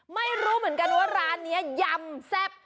ไม่รู้เหมือนกันว่าร้านนี้ยำแซ่บ